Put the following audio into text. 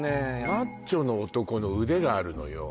マッチョの男の腕があるのよ